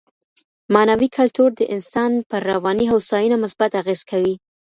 معنوي کلتور د انسان پر رواني هوساينه مثبت اغېز کوي.